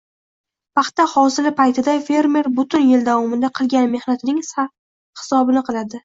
Paxta hosili paytida fermer butun yil davomida qilgan mehnatini sarhisob qiladi.